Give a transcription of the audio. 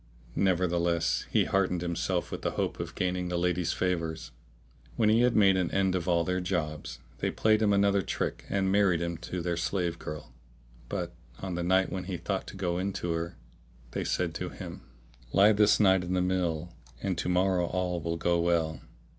Nevertheless he heartened himself with the hope of gaining the lady's favours. When he had made an end of all their jobs, they played him another trick and married him to their slave girl; but, on the night when he thought to go in to her, they said to him, "Lie this night in the mill; and to morrow all will go well."